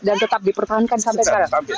dan tetap dipertahankan sampai sekarang